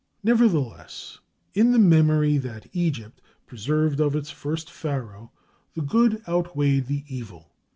Nevertheless, in the memory that Egypt preserved of its first Pharaoh, the good outweighed the evil.